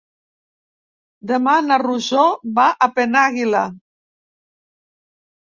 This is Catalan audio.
Demà na Rosó va a Penàguila.